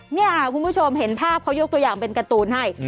นี่ค่ะคุณผู้ชมเห็นภาพเขายกตัวอย่างเป็นการ์ตูนให้